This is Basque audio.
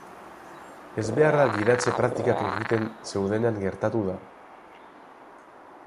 Ezbeharra gidatze praktikak egiten zeudenean gertatu da.